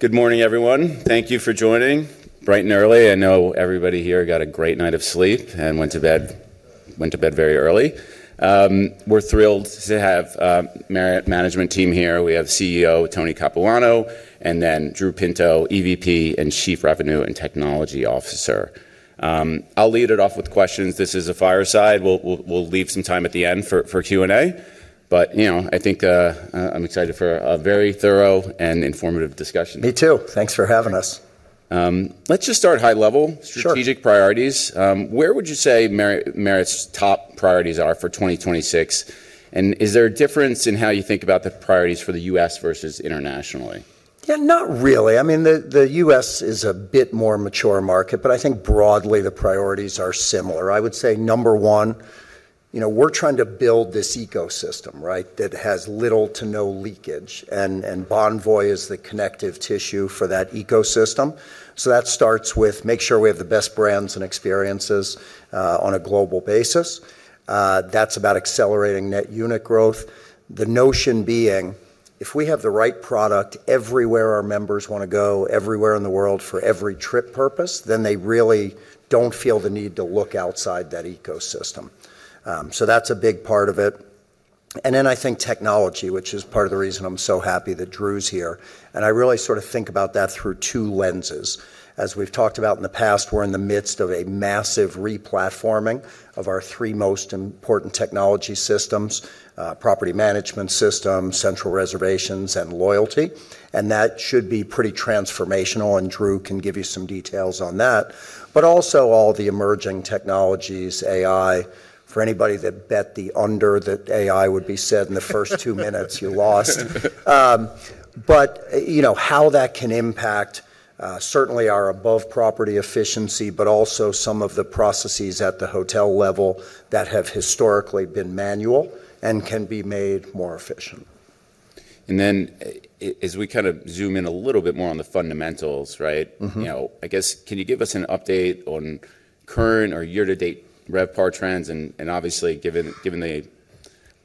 Good morning, everyone. Thank you for joining bright and early. I know everybody here got a great night of sleep and went to bed very early. We're thrilled to have Marriott management team here. We have CEO Tony Capuano, and then Drew Pinto, EVP and Chief Revenue and Technology Officer. I'll lead it off with questions. This is a fireside. We'll leave some time at the end for Q&A. You know, I think, I'm excited for a very thorough and informative discussion. Me too. Thanks for having us. Let's just start high level. Sure strategic priorities. Where would you say Marriott's top priorities are for 2026? Is there a difference in how you think about the priorities for the U.S. versus internationally? Yeah, not really. I mean, the US is a bit more mature market, but I think broadly, the priorities are similar. I would say number one, you know, we're trying to build this ecosystem, right? That has little to no leakage. And Bonvoy is the connective tissue for that ecosystem. So that starts with make sure we have the best brands and experiences on a global basis. That's about accelerating net unit growth. The notion being, if we have the right product everywhere our members wanna go, everywhere in the world for every trip purpose, then they really don't feel the need to look outside that ecosystem. So that's a big part of it. And then I think technology, which is part of the reason I'm so happy that Drew's here, and I really sort of think about that through two lenses. As we've talked about in the past, we're in the midst of a massive replatforming of our three most important technology systems, property management systems, central reservations, and loyalty. That should be pretty transformational, and Drew can give you some details on that. Also all the emerging technologies, AI, for anybody that bet the under that AI would be said in the first two minutes, you lost. You know, how that can impact certainly our above property efficiency, but also some of the processes at the hotel level that have historically been manual and can be made more efficient. As we kind of zoom in a little bit more on the fundamentals, right. Mm-hmm you know, I guess, can you give us an update on current or year-to-date RevPAR trends? Obviously, given the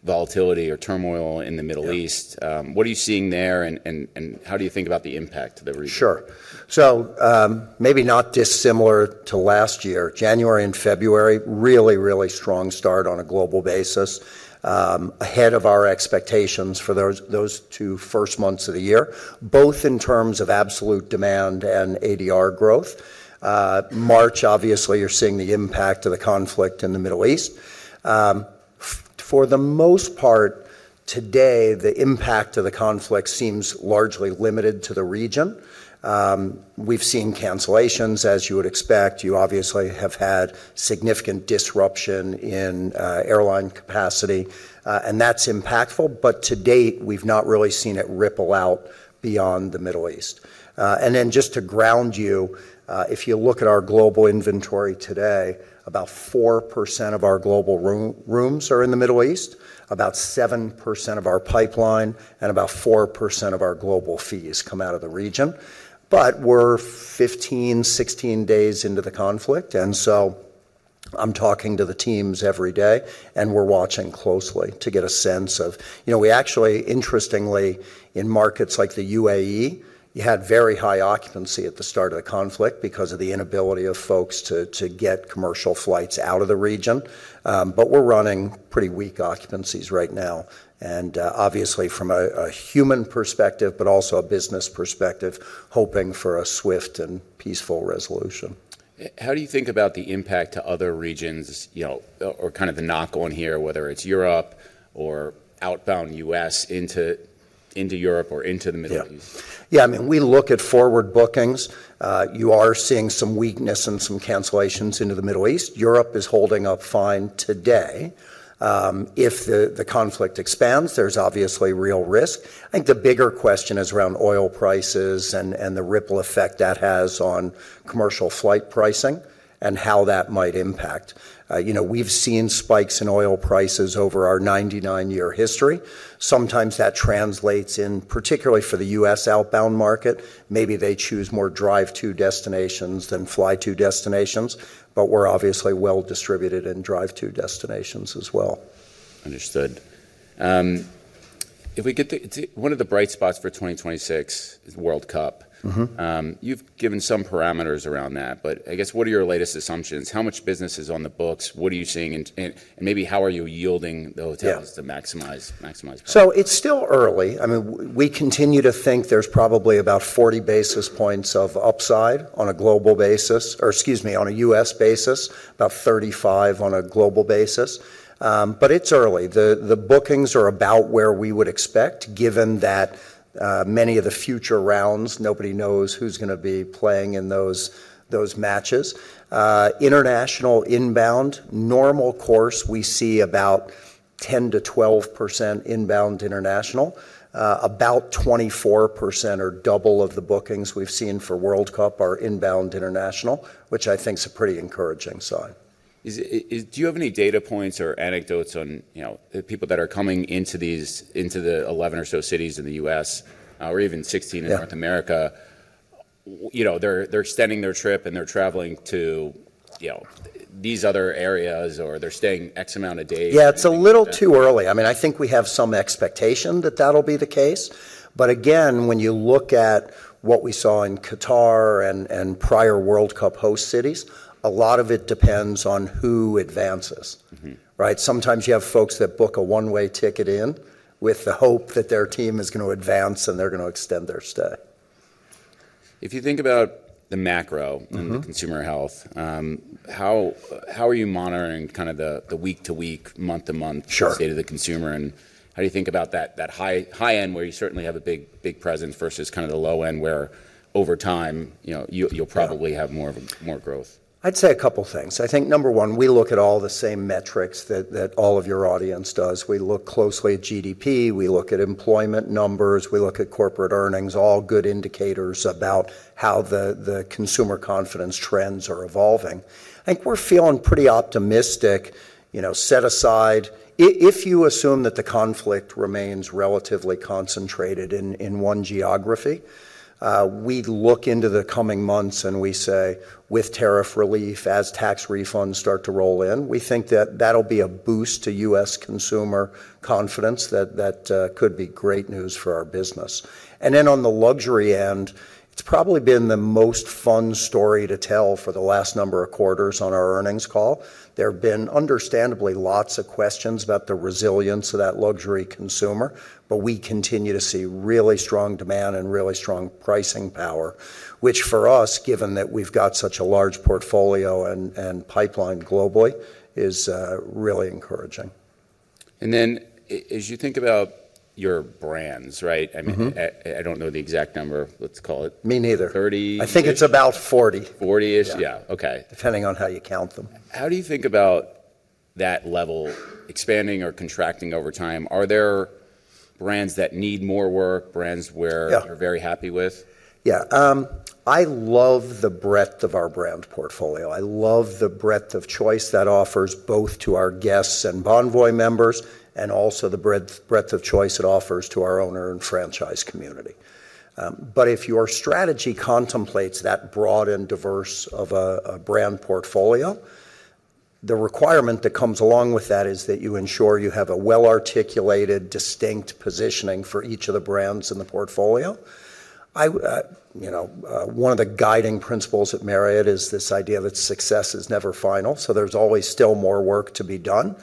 volatility or turmoil in the Middle East. Yeah What are you seeing there, and how do you think about the impact to the region? Sure. Maybe not dissimilar to last year. January and February, really strong start on a global basis, ahead of our expectations for those two first months of the year, both in terms of absolute demand and ADR growth. March, obviously, you're seeing the impact of the conflict in the Middle East. For the most part, today, the impact of the conflict seems largely limited to the region. We've seen cancellations, as you would expect. You obviously have had significant disruption in airline capacity, and that's impactful. To date, we've not really seen it ripple out beyond the Middle East. Just to ground you, if you look at our global inventory today, about 4% of our global rooms are in the Middle East, about 7% of our pipeline, and about 4% of our global fees come out of the region. We're 15, 16 days into the conflict, and so I'm talking to the teams every day, and we're watching closely to get a sense of. You know, we actually, interestingly, in markets like the UAE, you had very high occupancy at the start of the conflict because of the inability of folks to get commercial flights out of the region. But we're running pretty weak occupancies right now. Obviously from a human perspective but also a business perspective, hoping for a swift and peaceful resolution. How do you think about the impact to other regions, you know, or kind of the knock-on here, whether it's Europe or outbound US into Europe or into the Middle East? Yeah. Yeah, I mean, we look at forward bookings. You are seeing some weakness and some cancellations into the Middle East. Europe is holding up fine today. If the conflict expands, there's obviously real risk. I think the bigger question is around oil prices and the ripple effect that has on commercial flight pricing and how that might impact. You know, we've seen spikes in oil prices over our 99-year history. Sometimes that translates in, particularly for the US outbound market. Maybe they choose more drive to destinations than fly to destinations, but we're obviously well distributed in drive to destinations as well. One of the bright spots for 2026 is World Cup. Mm-hmm. You've given some parameters around that, but I guess, what are your latest assumptions? How much business is on the books? What are you seeing and maybe how are you yielding the hotels? Yeah to maximize profit? It's still early. I mean, we continue to think there's probably about 40 basis points of upside on a global basis, or excuse me, on a U.S. basis, about 35 on a global basis. It's early. The bookings are about where we would expect, given that many of the future rounds, nobody knows who's gonna be playing in those matches. International inbound, normal course, we see about 10%-12% inbound international. About 24% or double of the bookings we've seen for World Cup are inbound international, which I think is a pretty encouraging sign. Do you have any data points or anecdotes on, you know, people that are coming into these 11 or so cities in the U.S., or even 16 in North America? You know, they're extending their trip, and they're traveling to, you know, these other areas, or they're staying X amount of days. Yeah, it's a little too early. I mean, I think we have some expectation that that'll be the case. Again, when you look at what we saw in Qatar and prior World Cup host cities, a lot of it depends on who advances. Mm-hmm. Right? Sometimes you have folks that book a one-way ticket in with the hope that their team is gonna advance, and they're gonna extend their stay. If you think about the macro. Mm-hmm the consumer health, how are you monitoring kind of the week-to-week, month-to-month? Sure State of the consumer, and how do you think about that high end where you certainly have a big presence versus kind of the low end where over time, you know, you'll probably have more growth? I'd say a couple things. I think number one, we look at all the same metrics that all of your audience does. We look closely at GDP. We look at employment numbers. We look at corporate earnings, all good indicators about how the consumer confidence trends are evolving. I think we're feeling pretty optimistic, you know, set aside if you assume that the conflict remains relatively concentrated in one geography, we look into the coming months, and we say, with tariff relief, as tax refunds start to roll in, we think that that'll be a boost to U.S. consumer confidence that could be great news for our business. On the luxury end, it's probably been the most fun story to tell for the last number of quarters on our earnings call. There have been, understandably, lots of questions about the resilience of that luxury consumer, but we continue to see really strong demand and really strong pricing power, which for us, given that we've got such a large portfolio and pipeline globally, is really encouraging. As you think about your brands, right? Mm-hmm. I mean, I don't know the exact number. Let's call it. Me neither. ...thirty-ish. I think it's about 40. Forty-ish? Yeah. Yeah. Okay. Depending on how you count them. How do you think about that level expanding or contracting over time? Are there brands that need more work, brands where- Yeah You're very happy with? Yeah. I love the breadth of our brand portfolio. I love the breadth of choice that offers both to our guests and Bonvoy members and also the breadth of choice it offers to our owner and franchise community. If your strategy contemplates that broad and diverse of a brand portfolio, the requirement that comes along with that is that you ensure you have a well-articulated, distinct positioning for each of the brands in the portfolio. I you know one of the guiding principles at Marriott is this idea that success is never final, so there's always still more work to be done.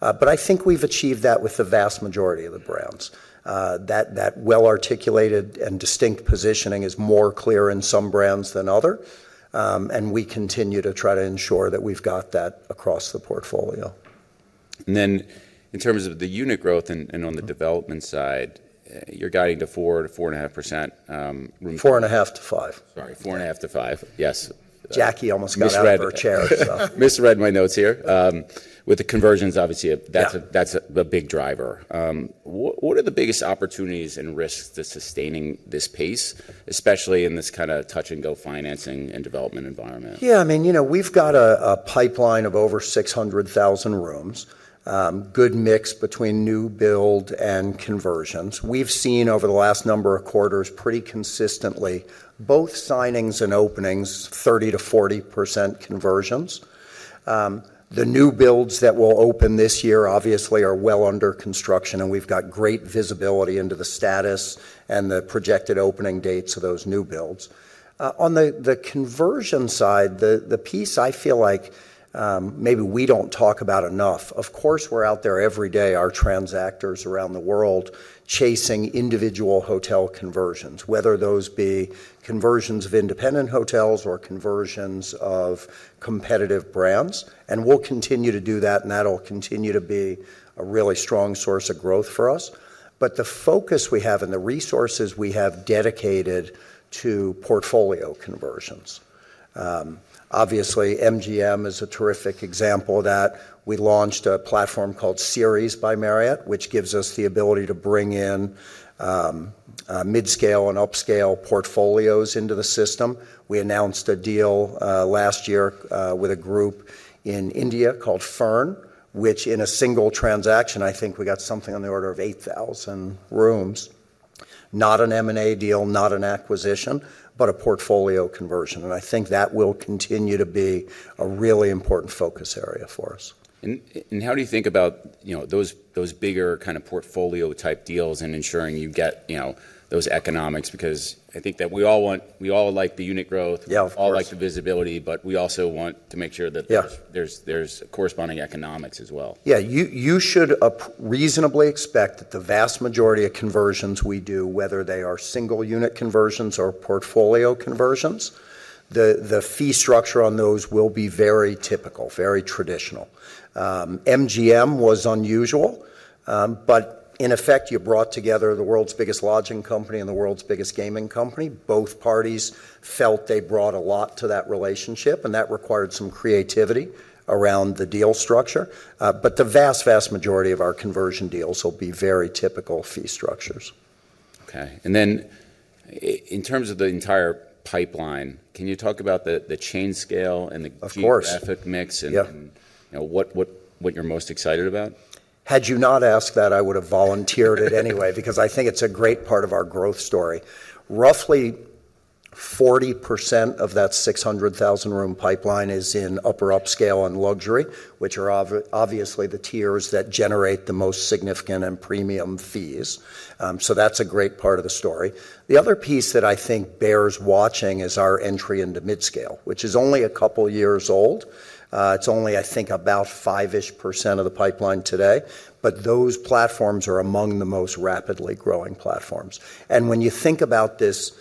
I think we've achieved that with the vast majority of the brands. That well-articulated and distinct positioning is more clear in some brands than others, and we continue to try to ensure that we've got that across the portfolio. In terms of the unit growth and on the development side, you're guiding to 4%-4.5% room- Four and a half to five. Sorry, 4.5-5. Yes. Jackie almost got out of her chair. Misread my notes here. With the conversions, obviously. Yeah That's a big driver. What are the biggest opportunities and risks to sustaining this pace, especially in this kinda touch-and-go financing and development environment? Yeah, I mean, you know, we've got a pipeline of over 600,000 rooms, good mix between new build and conversions. We've seen over the last number of quarters pretty consistently both signings and openings, 30%-40% conversions. The new builds that will open this year obviously are well under construction, and we've got great visibility into the status and the projected opening dates of those new builds. On the conversion side, the piece I feel like maybe we don't talk about enough, of course, we're out there every day, our transactors around the world chasing individual hotel conversions, whether those be conversions of independent hotels or conversions of competitive brands, and we'll continue to do that, and that'll continue to be a really strong source of growth for us. The focus we have and the resources we have dedicated to portfolio conversions, obviously MGM is a terrific example of that. We launched a platform called Series by Marriott, which gives us the ability to bring in, mid-scale and upscale portfolios into the system. We announced a deal, last year, with a group in India called Fern, which in a single transaction, I think we got something on the order of 8,000 rooms. Not an M&A deal, not an acquisition, but a portfolio conversion, and I think that will continue to be a really important focus area for us. How do you think about, you know, those bigger kinda portfolio-type deals and ensuring you get, you know, those economics? Because I think that we all like the unit growth. Yeah, of course. We all like the visibility, but we also want to make sure that. Yeah There's corresponding economics as well. Yeah. You should reasonably expect that the vast majority of conversions we do, whether they are single unit conversions or portfolio conversions, the fee structure on those will be very typical, very traditional. MGM was unusual, but in effect, you brought together the world's biggest lodging company and the world's biggest gaming company. Both parties felt they brought a lot to that relationship, and that required some creativity around the deal structure. The vast majority of our conversion deals will be very typical fee structures. Okay. In terms of the entire pipeline, can you talk about the chain scale and the- Of course. geographic mix and Yeah You know, what you're most excited about? Had you not asked that, I would have volunteered it anyway because I think it's a great part of our growth story. Roughly 40% of that 600,000-room pipeline is in upper upscale and luxury, which are obviously the tiers that generate the most significant and premium fees. That's a great part of the story. The other piece that I think bears watching is our entry into midscale, which is only a couple years old. It's only, I think, about 5% of the pipeline today, but those platforms are among the most rapidly growing platforms. When you think about this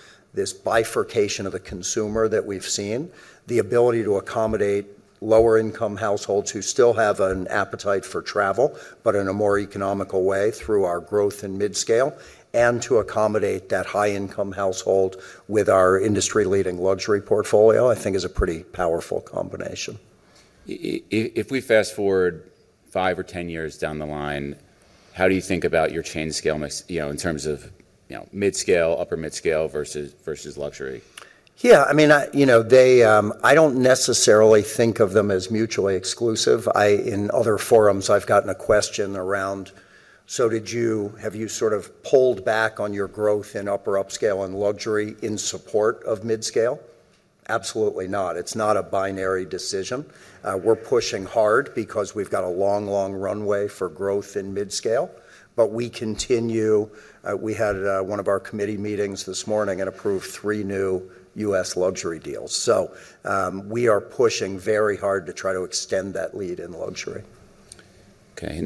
bifurcation of the consumer that we've seen, the ability to accommodate lower income households who still have an appetite for travel, but in a more economical way through our growth in midscale, and to accommodate that high income household with our industry-leading luxury portfolio, I think is a pretty powerful combination. If we fast-forward five or ten years down the line, how do you think about your chain scale in this, you know, in terms of, you know, midscale, upper midscale versus luxury? Yeah, I mean, I don't necessarily think of them as mutually exclusive. In other forums, I've gotten a question around, "So have you sort of pulled back on your growth in upper upscale and luxury in support of midscale?" Absolutely not. It's not a binary decision. We're pushing hard because we've got a long, long runway for growth in midscale. We continue, we had one of our committee meetings this morning and approved three new U.S. luxury deals. We are pushing very hard to try to extend that lead in luxury. Okay.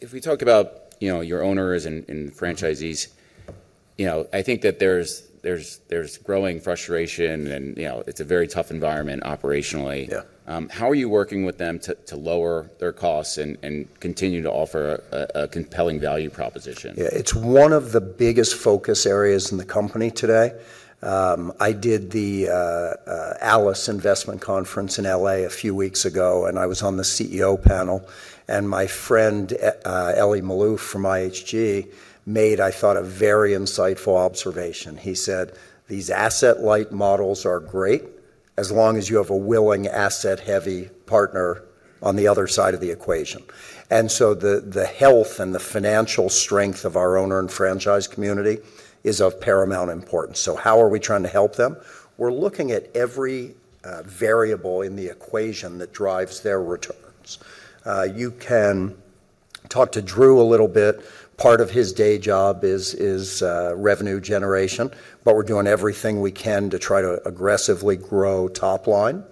If we talk about, you know, your owners and franchisees, you know, I think that there's growing frustration and, you know, it's a very tough environment operationally. Yeah. How are you working with them to lower their costs and continue to offer a compelling value proposition? Yeah. It's one of the biggest focus areas in the company today. I did the ALIS Investment Conference in L.A. a few weeks ago, and I was on the CEO panel. My friend, Elie Maalouf from IHG, made, I thought, a very insightful observation. He said, "These asset-light models are great as long as you have a willing asset-heavy partner on the other side of the equation." The health and the financial strength of our owner and franchise community is of paramount importance. How are we trying to help them? We're looking at every variable in the equation that drives their returns. You can talk to Drew a little bit. Part of his day job is revenue generation, but we're doing everything we can to try to aggressively grow top line.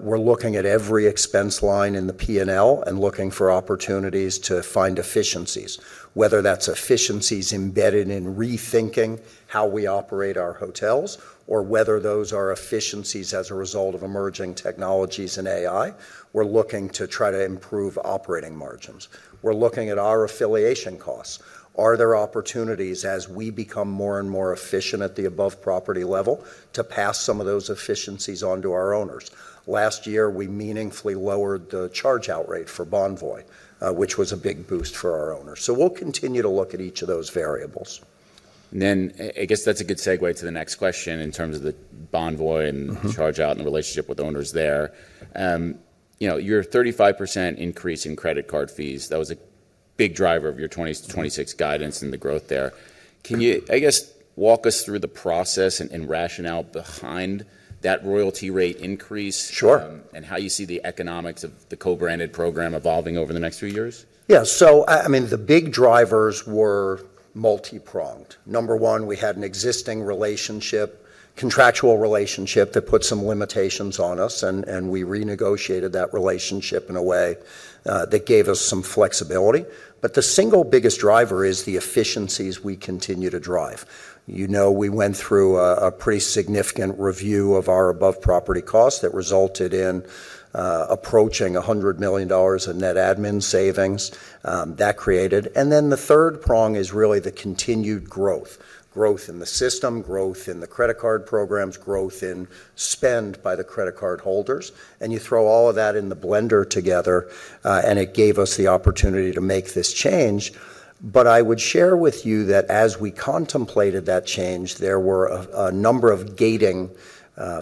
We're looking at every expense line in the P&L and looking for opportunities to find efficiencies, whether that's efficiencies embedded in rethinking how we operate our hotels or whether those are efficiencies as a result of emerging technologies and AI. We're looking to try to improve operating margins. We're looking at our affiliation costs. Are there opportunities as we become more and more efficient at the above property level to pass some of those efficiencies on to our owners? Last year, we meaningfully lowered the charge out rate for Bonvoy, which was a big boost for our owners. We'll continue to look at each of those variables. I guess that's a good segue to the next question in terms of the Bonvoy and- Mm-hmm. -the charge out and the relationship with owners there. You know, your 35% increase in credit card fees, that was a big driver of your 2020 to 2026 guidance and the growth there. Can you, I guess, walk us through the process and rationale behind that royalty rate increase? Sure. how you see the economics of the co-branded program evolving over the next few years? Yeah. I mean, the big drivers were multi-pronged. Number one, we had an existing relationship, contractual relationship that put some limitations on us, and we renegotiated that relationship in a way that gave us some flexibility. The single biggest driver is the efficiencies we continue to drive. You know, we went through a pretty significant review of our above property costs that resulted in approaching $100 million in net admin savings that created. Then the third prong is really the continued growth in the system, growth in the credit card programs, growth in spend by the credit card holders. You throw all of that in the blender together, and it gave us the opportunity to make this change. I would share with you that as we contemplated that change, there were a number of gating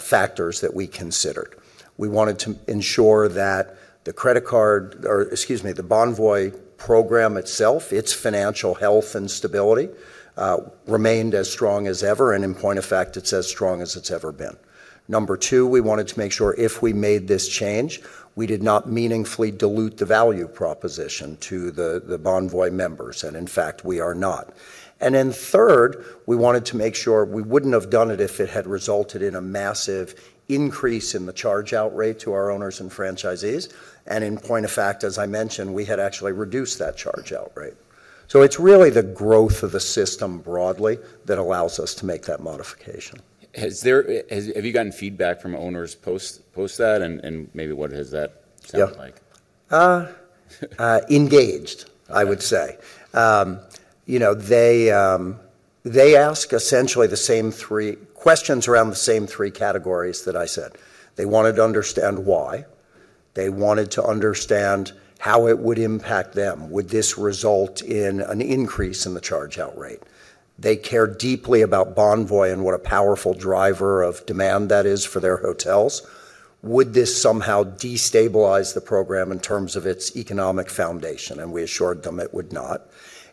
factors that we considered. We wanted to ensure that the credit card, or excuse me, the Bonvoy program itself, its financial health and stability remained as strong as ever. In point of fact, it's as strong as it's ever been. Number two, we wanted to make sure if we made this change, we did not meaningfully dilute the value proposition to the Bonvoy members, and in fact, we are not. Third, we wanted to make sure we wouldn't have done it if it had resulted in a massive increase in the charge out rate to our owners and franchisees. In point of fact, as I mentioned, we had actually reduced that charge out rate. It's really the growth of the system broadly that allows us to make that modification. Have you gotten feedback from owners post that? And maybe what has that- Yeah. sounded like? I would say. You know, they ask essentially the same three questions around the same three categories that I said. They wanted to understand why. They wanted to understand how it would impact them. Would this result in an increase in the charge out rate? They care deeply about Bonvoy and what a powerful driver of demand that is for their hotels. Would this somehow destabilize the program in terms of its economic foundation? We assured them it would not.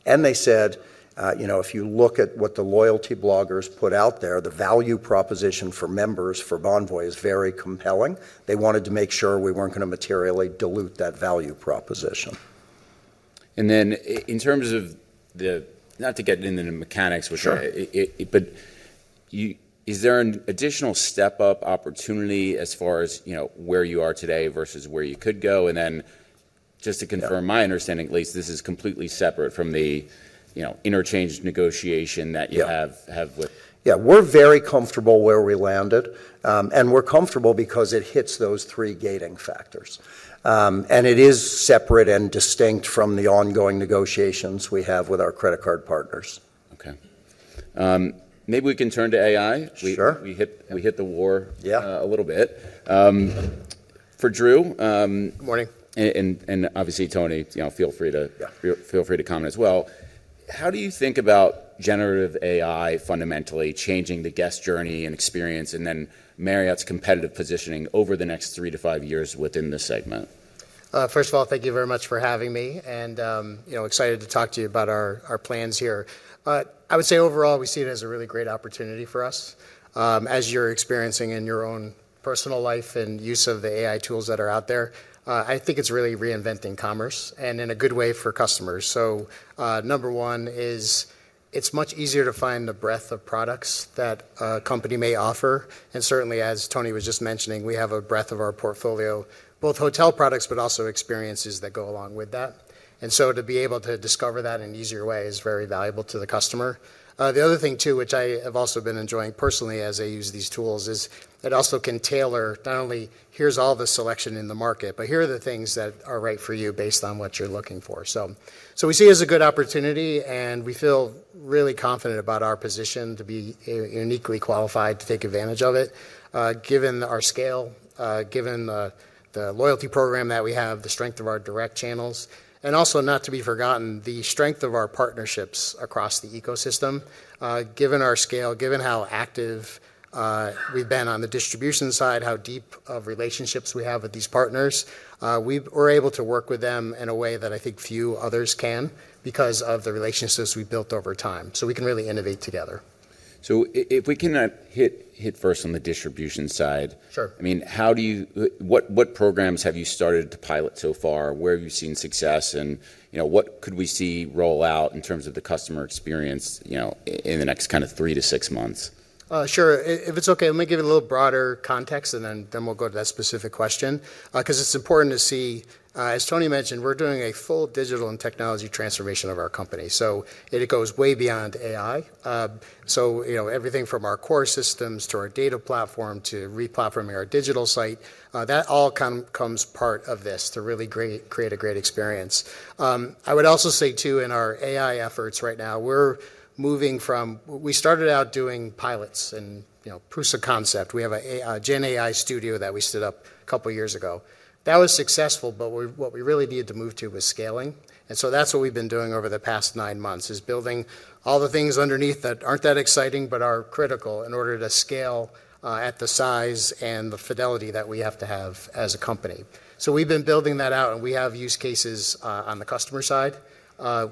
They said, you know, if you look at what the loyalty bloggers put out there, the value proposition for members for Bonvoy is very compelling. They wanted to make sure we weren't gonna materially dilute that value proposition. Not to get into the mechanics, which I Sure Is there an additional step-up opportunity as far as, you know, where you are today versus where you could go? Just to confirm- Yeah My understanding at least, this is completely separate from the, you know, interchange negotiation that you have. Yeah... have with. Yeah. We're very comfortable where we landed, and we're comfortable because it hits those three gating factors. It is separate and distinct from the ongoing negotiations we have with our credit card partners. Okay. Maybe we can turn to AI. Sure. We hit the war. Yeah a little bit. For Drew, Good morning. Obviously, Tony, you know, feel free to Yeah Feel free to comment as well. How do you think about generative AI fundamentally changing the guest journey and experience, and then Marriott's competitive positioning over the next 3-5 years within this segment? First of all, thank you very much for having me, and you know, excited to talk to you about our plans here. I would say overall, we see it as a really great opportunity for us. As you're experiencing in your own personal life and use of the AI tools that are out there, I think it's really reinventing commerce, and in a good way for customers. Number one, it's much easier to find the breadth of products that a company may offer. Certainly, as Tony was just mentioning, we have a breadth of our portfolio, both hotel products, but also experiences that go along with that. To be able to discover that in an easier way is very valuable to the customer. The other thing too, which I have also been enjoying personally as I use these tools, is that it also can tailor not only, "Here's all the selection in the market," but, "Here are the things that are right for you based on what you're looking for." We see it as a good opportunity, and we feel really confident about our position to be uniquely qualified to take advantage of it, given our scale, given the loyalty program that we have, the strength of our direct channels, and also not to be forgotten, the strength of our partnerships across the ecosystem. Given our scale, given how active we've been on the distribution side, how deep of relationships we have with these partners, we're able to work with them in a way that I think few others can because of the relationships we've built over time, so we can really innovate together. If we can hit first on the distribution side. Sure. I mean, what programs have you started to pilot so far? Where have you seen success? You know, what could we see roll out in terms of the customer experience, you know, in the next kinda three to six months? If it's okay, let me give it a little broader context, and then we'll go to that specific question. 'Cause it's important to see, as Tony mentioned, we're doing a full digital and technology transformation of our company, so it goes way beyond AI. You know, everything from our core systems to our data platform to re-platforming our digital site, that all comes as part of this to really create a great experience. I would also say, too, in our AI efforts right now, we started out doing pilots and, you know, proofs of concept. We have a GenAI Studio that we stood up a couple years ago. That was successful, what we really needed to move to was scaling, and that's what we've been doing over the past nine months, is building all the things underneath that aren't that exciting but are critical in order to scale at the size and the fidelity that we have to have as a company. We've been building that out, and we have use cases on the customer side.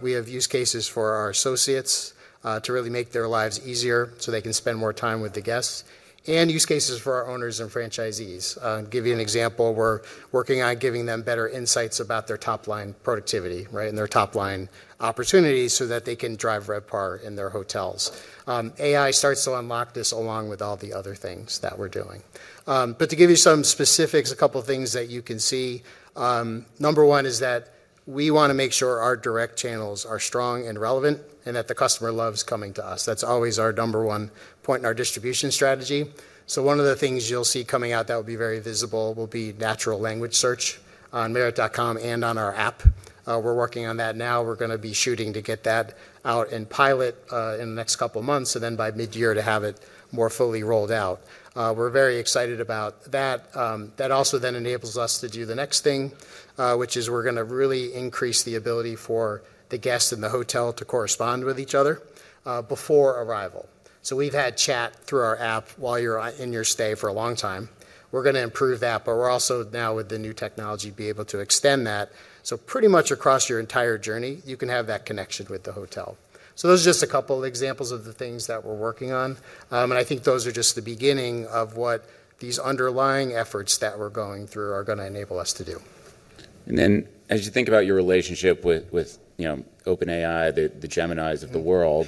We have use cases for our associates to really make their lives easier so they can spend more time with the guests, and use cases for our owners and franchisees. Give you an example, we're working on giving them better insights about their top-line productivity, right, and their top-line opportunities so that they can drive RevPAR in their hotels. AI starts to unlock this along with all the other things that we're doing. To give you some specifics, a couple things that you can see. Number one is that we wanna make sure our direct channels are strong and relevant and that the customer loves coming to us. That's always our number one point in our distribution strategy. One of the things you'll see coming out that will be very visible will be natural language search on marriott.com and on our app. We're working on that now. We're gonna be shooting to get that out in pilot in the next couple months, and then by mid-year to have it more fully rolled out. We're very excited about that. That also then enables us to do the next thing, which is we're gonna really increase the ability for the guest and the hotel to correspond with each other before arrival. We've had chat through our app while you're in your stay for a long time. We're gonna improve that, but we're also now, with the new technology, be able to extend that. Pretty much across your entire journey, you can have that connection with the hotel. Those are just a couple examples of the things that we're working on, and I think those are just the beginning of what these underlying efforts that we're going through are gonna enable us to do. As you think about your relationship with you know, OpenAI, the Geminis of the world,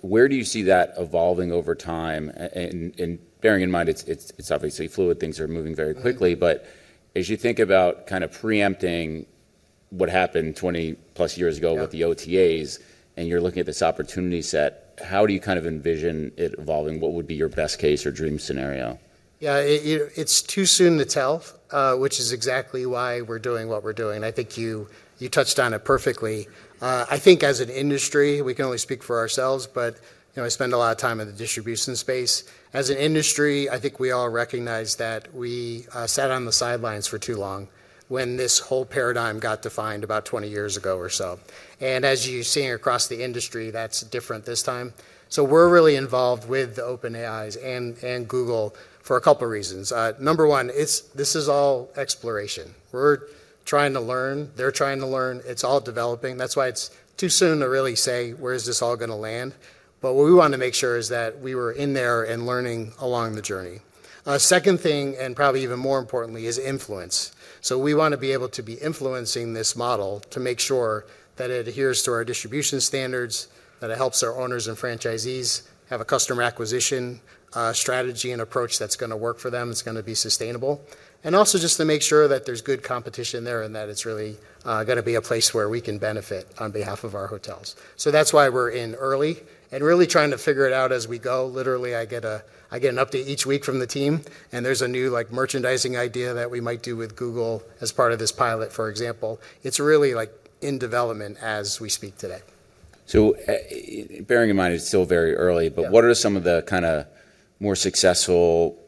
where do you see that evolving over time? And bearing in mind it's obviously fluid, things are moving very quickly. As you think about kinda preempting what happened 20+ years ago- Yeah with the OTAs, and you're looking at this opportunity set, how do you kind of envision it evolving? What would be your best case or dream scenario? Yeah, it's too soon to tell, which is exactly why we're doing what we're doing. I think you touched on it perfectly. I think as an industry, we can only speak for ourselves, but, you know, I spend a lot of time in the distribution space. As an industry, I think we all recognize that we sat on the sidelines for too long when this whole paradigm got defined about 20 years ago or so. As you're seeing across the industry, that's different this time. We're really involved with OpenAI and Google for a couple reasons. Number one, this is all exploration. We're trying to learn, they're trying to learn, it's all developing. That's why it's too soon to really say where is this all gonna land. What we wanna make sure is that we were in there and learning along the journey. Second thing, and probably even more importantly, is influence. We wanna be able to be influencing this model to make sure that it adheres to our distribution standards, that it helps our owners and franchisees have a customer acquisition, strategy and approach that's gonna work for them, it's gonna be sustainable. Just to make sure that there's good competition there and that it's really, gonna be a place where we can benefit on behalf of our hotels. That's why we're in early and really trying to figure it out as we go. Literally, I get an update each week from the team, and there's a new, like, merchandising idea that we might do with Google as part of this pilot, for example. It's really, like, in development as we speak today. Bearing in mind it's still very early. Yeah. What are some of the kinda more successful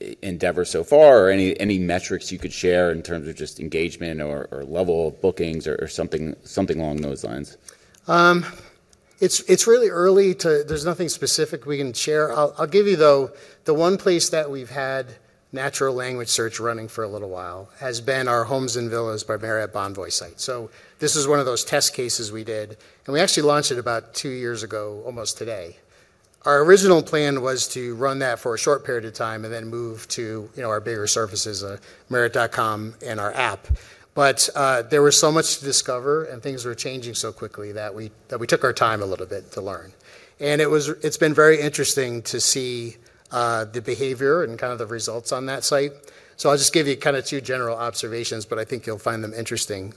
e-endeavors so far? Or any metrics you could share in terms of just engagement or level of bookings or something along those lines? It's really early. There's nothing specific we can share. I'll give you, though, the one place that we've had natural language search running for a little while has been our Homes & Villas by Marriott Bonvoy site. This is one of those test cases we did, and we actually launched it about two years ago, almost today. Our original plan was to run that for a short period of time and then move to, you know, our bigger surfaces, marriott.com and our app. There was so much to discover and things were changing so quickly that we took our time a little bit to learn. It's been very interesting to see the behavior and kind of the results on that site. I'll just give you kinda two general observations, but I think you'll find them interesting.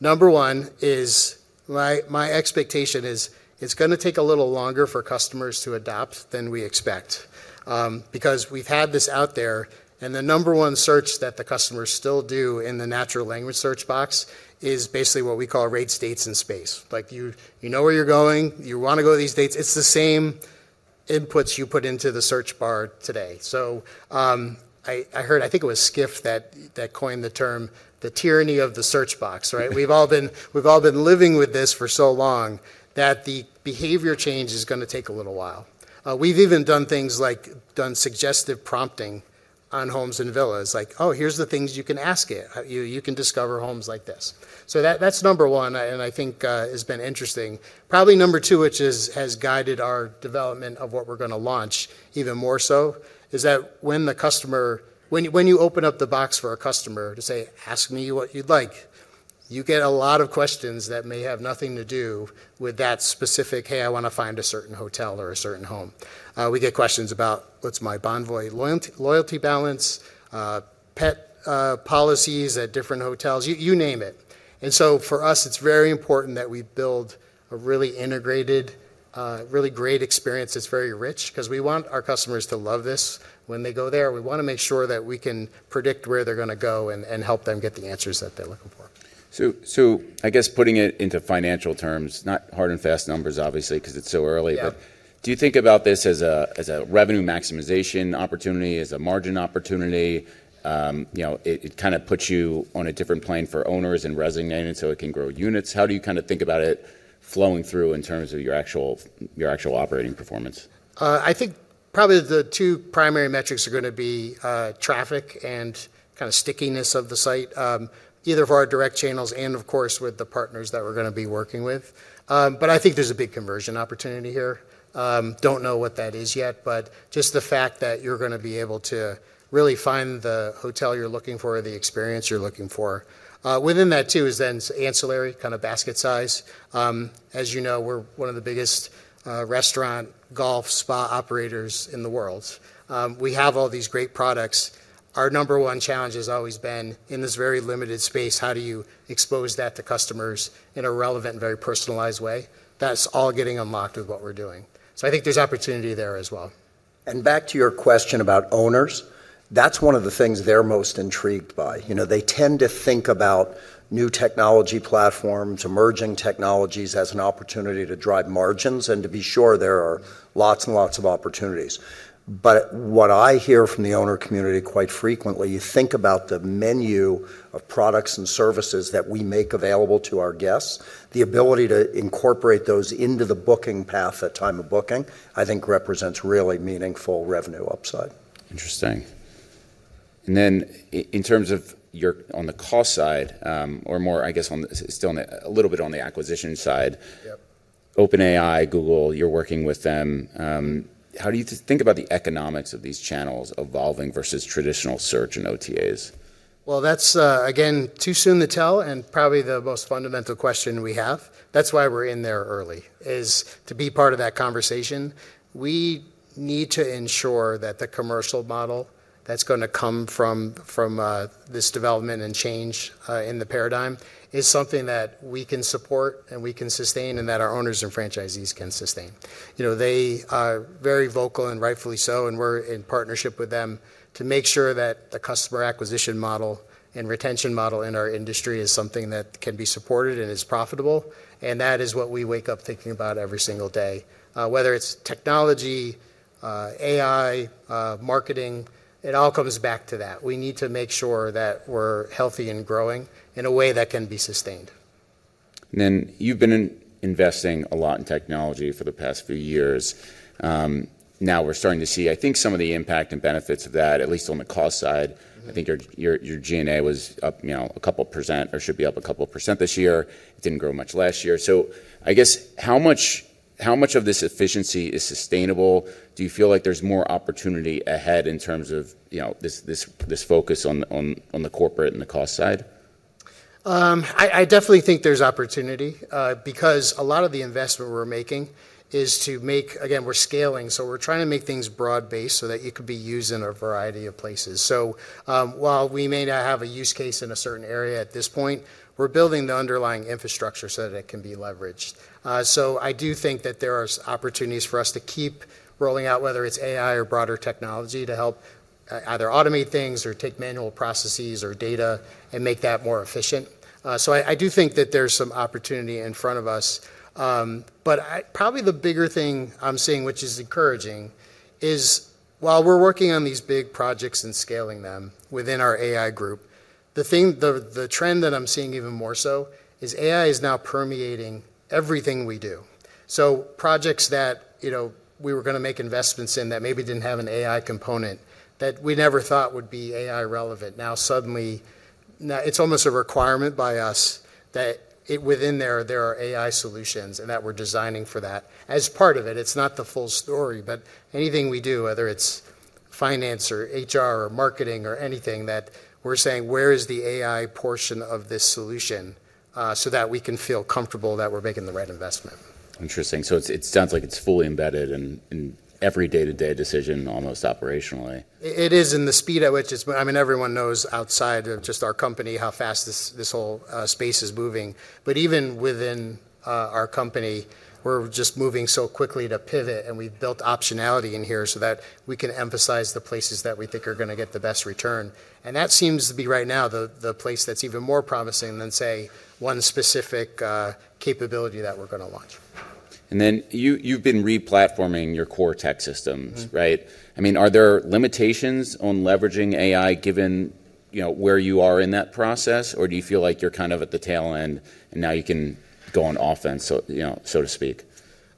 Number one is my expectation is it's gonna take a little longer for customers to adopt than we expect. Because we've had this out there, and the number one search that the customers still do in the natural language search box is basically what we call rate, dates, and space. Like you know where you're going, you wanna go to these dates. It's the same inputs you put into the search bar today. I heard, I think it was Skift that coined the term the tyranny of the search box, right? We've all been living with this for so long that the behavior change is gonna take a little while. We've even done things like suggestive prompting on Homes & Villas. Like, "Oh, here's the things you can ask it. You can discover homes like this." So that's number one, and I think, has been interesting. Probably number two, which has guided our development of what we're gonna launch even more so, is that when you open up the box for a customer to say, "Ask me what you'd like," you get a lot of questions that may have nothing to do with that specific, "Hey, I wanna find a certain hotel or a certain home." We get questions about, "What's my Bonvoy loyalty balance?" pet policies at different hotels, you name it. For us, it's very important that we build a really integrated, really great experience that's very rich, 'cause we want our customers to love this when they go there. We wanna make sure that we can predict where they're gonna go and help them get the answers that they're looking for. I guess putting it into financial terms, not hard and fast numbers obviously, 'cause it's so early. Yeah. Do you think about this as a, as a revenue maximization opportunity, as a margin opportunity? You know, it kinda puts you on a different plane for owners and resonating so it can grow units. How do you kinda think about it flowing through in terms of your actual operating performance? I think probably the two primary metrics are gonna be, traffic and kinda stickiness of the site, either for our direct channels and of course with the partners that we're gonna be working with. I think there's a big conversion opportunity here. Don't know what that is yet, but just the fact that you're gonna be able to really find the hotel you're looking for or the experience you're looking for. Within that too is then ancillary kinda basket size. As you know, we're one of the biggest, restaurant, golf, spa operators in the world. We have all these great products. Our number one challenge has always been, in this very limited space, how do you expose that to customers in a relevant and very personalized way? That's all getting unlocked with what we're doing. I think there's opportunity there as well. Back to your question about owners, that's one of the things they're most intrigued by. You know, they tend to think about new technology platforms, emerging technologies as an opportunity to drive margins, and to be sure there are lots and lots of opportunities. What I hear from the owner community quite frequently, you think about the menu of products and services that we make available to our guests, the ability to incorporate those into the booking path at time of booking, I think represents really meaningful revenue upside. Interesting. Then in terms of your on the cost side, or more I guess on the still on the, a little bit on the acquisition side. Yep. OpenAI, Google, you're working with them. How do you think about the economics of these channels evolving versus traditional search and OTAs? Well, that's, again, too soon to tell, and probably the most fundamental question we have. That's why we're in there early, is to be part of that conversation. We need to ensure that the commercial model that's gonna come from this development and change in the paradigm is something that we can support and we can sustain and that our owners and franchisees can sustain. You know, they are very vocal, and rightfully so, and we're in partnership with them to make sure that the customer acquisition model and retention model in our industry is something that can be supported and is profitable. That is what we wake up thinking about every single day. Whether it's technology, AI, marketing, it all comes back to that. We need to make sure that we're healthy and growing in a way that can be sustained. You've been investing a lot in technology for the past few years. Now we're starting to see, I think, some of the impact and benefits of that, at least on the cost side. Mm-hmm. I think your G&A was up, you know, a couple% or should be up a couple% this year. It didn't grow much last year. I guess how much of this efficiency is sustainable? Do you feel like there's more opportunity ahead in terms of, you know, this focus on the corporate and the cost side? I definitely think there's opportunity, because a lot of the investment we're making. Again, we're scaling, so we're trying to make things broad-based so that it could be used in a variety of places. While we may not have a use case in a certain area at this point, we're building the underlying infrastructure so that it can be leveraged. I do think that there are opportunities for us to keep rolling out, whether it's AI or broader technology to help either automate things or take manual processes or data and make that more efficient. I do think that there's some opportunity in front of us. Probably the bigger thing I'm seeing, which is encouraging, is while we're working on these big projects and scaling them within our AI group, the trend that I'm seeing even more so is AI is now permeating everything we do. Projects that, you know, we were gonna make investments in that maybe didn't have an AI component that we never thought would be AI relevant, now suddenly it's almost a requirement by us that it within there are AI solutions and that we're designing for that as part of it. It's not the full story. Anything we do, whether it's finance or HR or marketing or anything, that we're saying, "Where is the AI portion of this solution," so that we can feel comfortable that we're making the right investment. Interesting. It sounds like it's fully embedded in every day-to-day decision almost operationally. It is, and the speed at which it's moving. I mean, everyone knows outside of just our company how fast this whole space is moving. Even within our company, we're just moving so quickly to pivot, and we've built optionality in here so that we can emphasize the places that we think are gonna get the best return. That seems to be right now the place that's even more promising than, say, one specific capability that we're gonna launch. You've been re-platforming your core tech systems. Mm-hmm Right? I mean, are there limitations on leveraging AI given, you know, where you are in that process? Or do you feel like you're kind of at the tail end, and now you can go on offense so, you know, so to speak?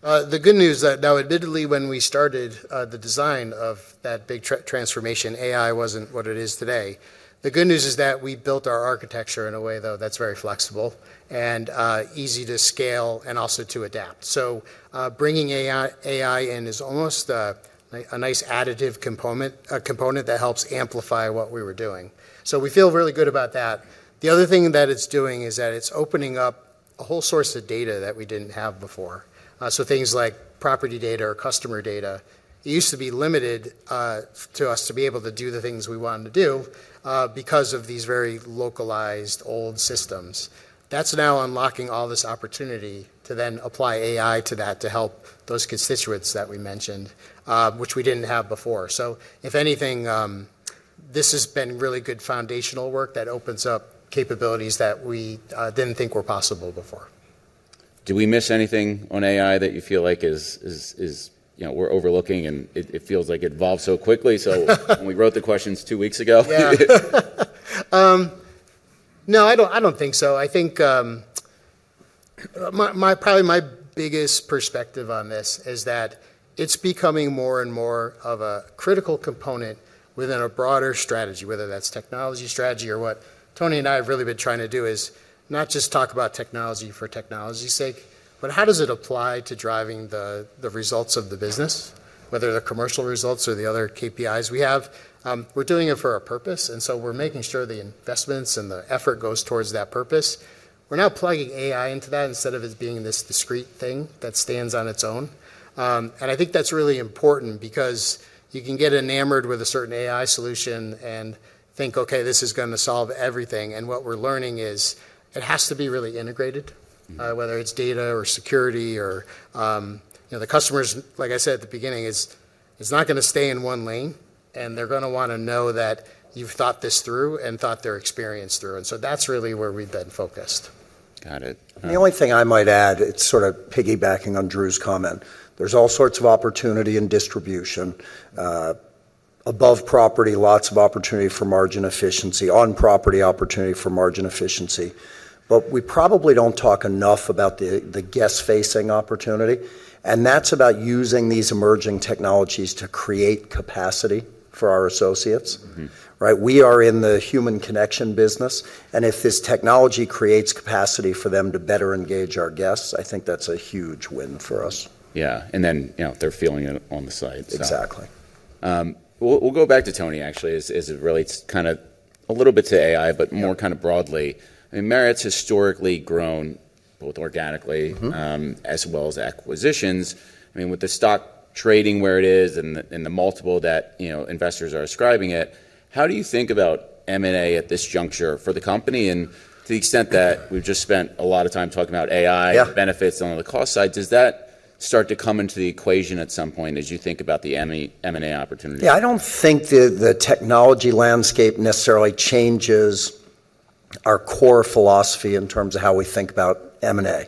Now, admittedly, when we started the design of that big transformation, AI wasn't what it is today. The good news is that we built our architecture in a way, though, that's very flexible and easy to scale and also to adapt. Bringing AI in is almost a nice additive component that helps amplify what we were doing. We feel really good about that. The other thing that it's doing is that it's opening up a whole source of data that we didn't have before. Things like property data or customer data. It used to be limited to us to be able to do the things we wanted to do because of these very localized old systems. That's now unlocking all this opportunity to then apply AI to that to help those constituents that we mentioned, which we didn't have before. If anything, this has been really good foundational work that opens up capabilities that we didn't think were possible before. Did we miss anything on AI that you feel like is, you know, we're overlooking and it feels like it evolves so quickly, so when we wrote the questions two weeks ago? Yeah. No, I don't think so. I think my biggest perspective on this is that it's becoming more and more of a critical component within a broader strategy, whether that's technology strategy or what Tony and I have really been trying to do is not just talk about technology for technology's sake, but how does it apply to driving the results of the business, whether they're commercial results or the other KPIs we have. We're doing it for a purpose, and so we're making sure the investments and the effort goes towards that purpose. We're now plugging AI into that instead of it being this discrete thing that stands on its own. I think that's really important because you can get enamored with a certain AI solution and think, "Okay, this is gonna solve everything." What we're learning is it has to be really integrated- Mm-hmm Whether it's data or security or, you know, the customers, like I said at the beginning, is not gonna stay in one lane, and they're gonna wanna know that you've thought this through and thought their experience through. That's really where we've been focused. Got it. All right. The only thing I might add, it's sort of piggybacking on Drew's comment. There's all sorts of opportunity in distribution, above property, lots of opportunity for margin efficiency, on property opportunity for margin efficiency. We probably don't talk enough about the guest-facing opportunity, and that's about using these emerging technologies to create capacity for our associates. Mm-hmm. Right? We are in the human connection business, and if this technology creates capacity for them to better engage our guests, I think that's a huge win for us. Yeah. You know, if they're feeling it on the site, so. Exactly. We'll go back to Tony, actually. As it relates kind of a little bit to AI. Yeah more kind of broadly. I mean, Marriott's historically grown both organically- Mm-hmm as well as acquisitions. I mean, with the stock trading where it is and the multiple that, you know, investors are ascribing it, how do you think about M&A at this juncture for the company? To the extent that we've just spent a lot of time talking about AI. Yeah the benefits on the cost side, does that start to come into the equation at some point as you think about the M&A opportunity? Yeah, I don't think the technology landscape necessarily changes our core philosophy in terms of how we think about M&A.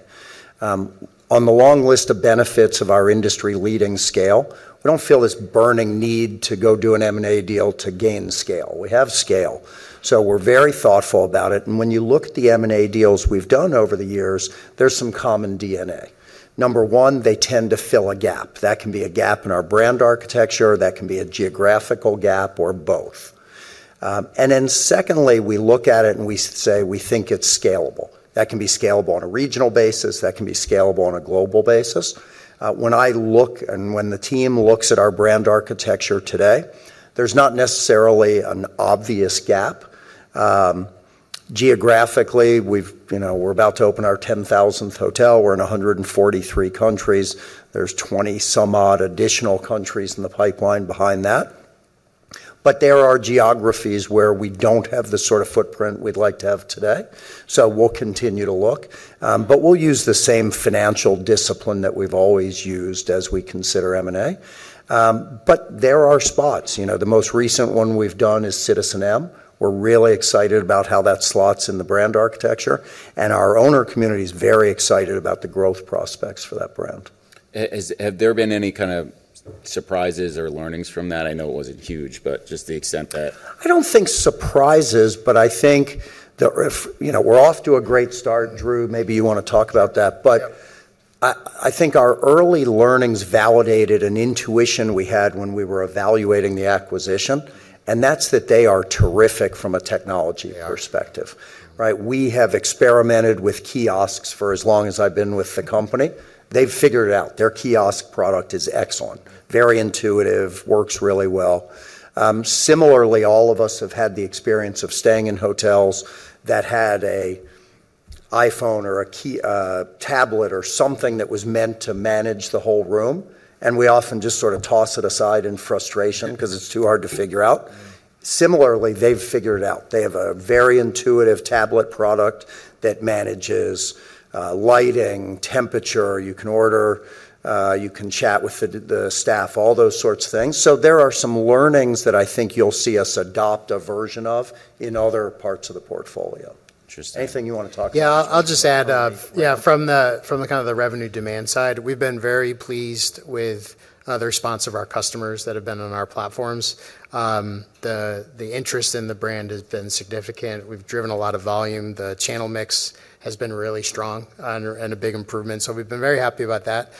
On the long list of benefits of our industry-leading scale, we don't feel this burning need to go do an M&A deal to gain scale. We have scale. We're very thoughtful about it. When you look at the M&A deals we've done over the years, there's some common DNA. Number one, they tend to fill a gap. That can be a gap in our brand architecture, that can be a geographical gap or both. Secondly, we look at it and we say we think it's scalable. That can be scalable on a regional basis. That can be scalable on a global basis. When I look and when the team looks at our brand architecture today, there's not necessarily an obvious gap. Geographically, you know, we're about to open our 10,000th hotel. We're in 143 countries. There are 20-some-odd additional countries in the pipeline behind that. There are geographies where we don't have the sort of footprint we'd like to have today, so we'll continue to look. We'll use the same financial discipline that we've always used as we consider M&A. There are spots, you know. The most recent one we've done is citizenM. We're really excited about how that slots in the brand architecture, and our owner community is very excited about the growth prospects for that brand. Have there been any kind of surprises or learnings from that? I know it wasn't huge, but just the extent that- I don't think surprises, but I think. You know, we're off to a great start. Drew, maybe you wanna talk about that. Yeah. I think our early learnings validated an intuition we had when we were evaluating the acquisition, and that's that they are terrific from a technology perspective. Yeah. Right? We have experimented with kiosks for as long as I've been with the company. They've figured it out. Their kiosk product is excellent, very intuitive, works really well. Similarly, all of us have had the experience of staying in hotels that had an iPhone or a tablet or something that was meant to manage the whole room, and we often just sort of toss it aside in frustration 'cause it's too hard to figure out. Similarly, they've figured it out. They have a very intuitive tablet product that manages lighting, temperature. You can order, you can chat with the staff, all those sorts of things. There are some learnings that I think you'll see us adopt a version of in other parts of the portfolio. Interesting. Anything you wanna talk about? Yeah, I'll just add, from the revenue demand side, we've been very pleased with the response of our customers that have been on our platforms. The interest in the brand has been significant. We've driven a lot of volume. The channel mix has been really strong and a big improvement. We've been very happy about that.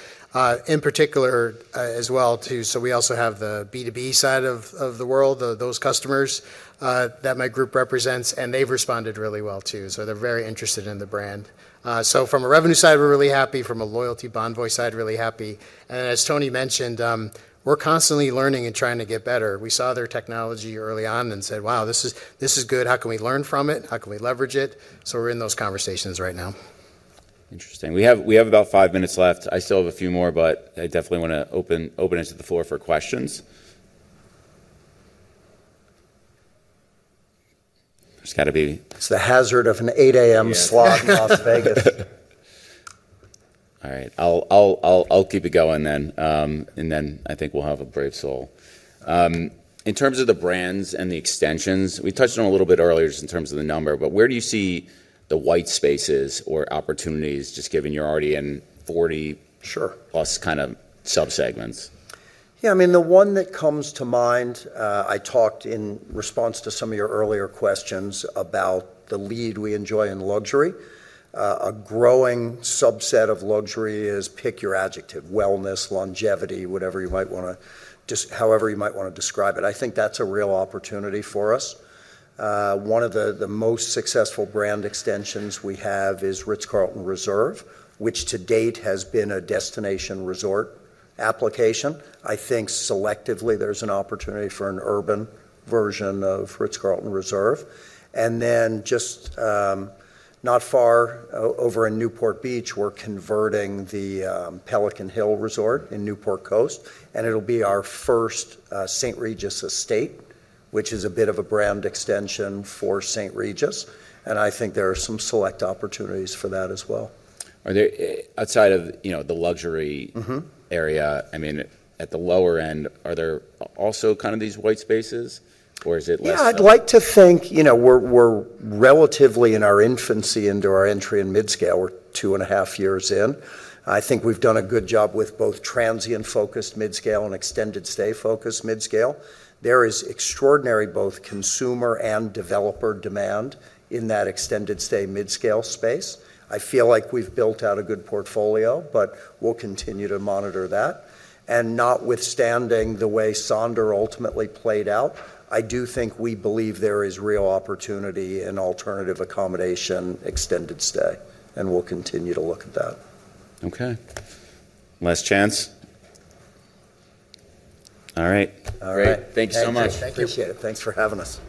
In particular, as well, we also have the B2B side of the world, those customers that my group represents, and they've responded really well too. They're very interested in the brand. From a revenue side, we're really happy, from a loyalty Bonvoy side, really happy. As Tony mentioned, we're constantly learning and trying to get better. We saw their technology early on and said, "Wow, this is good. How can we learn from it? How can we leverage it? We're in those conversations right now. Interesting. We have about five minutes left. I still have a few more, but I definitely wanna open it to the floor for questions. There's gotta be It's the hazard of an 8:00 A.M. slot. Yeah. in Las Vegas. All right. I'll keep it going then. I think we'll have a brave soul. In terms of the brands and the extensions, we touched on a little bit earlier just in terms of the number, but where do you see the white spaces or opportunities just given you're already in 40- Sure plus kind of subsegments? Yeah, I mean, the one that comes to mind, I talked in response to some of your earlier questions about the lead we enjoy in luxury. A growing subset of luxury is pick your adjective, wellness, longevity, whatever you might wanna however you might wanna describe it. I think that's a real opportunity for us. One of the most successful brand extensions we have is Ritz-Carlton Reserve, which to date has been a destination resort application. I think selectively there's an opportunity for an urban version of Ritz-Carlton Reserve. Then just not far over in Newport Beach, we're converting the Resort at Pelican Hill in Newport Coast, and it'll be our first St. Regis Estates, which is a bit of a brand extension for St. Regis, and I think there are some select opportunities for that as well. Are there, outside of, you know, the luxury- Mm-hmm area, I mean, at the lower end, are there also kind of these white spaces or is it less so? I'd like to think, you know, we're relatively in our infancy into our entry in midscale. We're 2.5 years in. I think we've done a good job with both transient-focused midscale and extended stay-focused midscale. There is extraordinary both consumer and developer demand in that extended stay midscale space. I feel like we've built out a good portfolio, but we'll continue to monitor that. Notwithstanding the way Sonder ultimately played out, I do think we believe there is real opportunity in alternative accommodation extended stay, and we'll continue to look at that. Okay. Last chance. All right. All right. Great. Thank you so much. Thank you. Appreciate it. Thanks for having us.